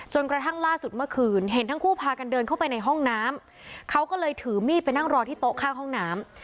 กระทั่งล่าสุดเมื่อคืนเห็นทั้งคู่พากันเดินเข้าไปในห้องน้ำเขาก็เลยถือมีดไปนั่งรอที่โต๊ะข้างห้องน้ำ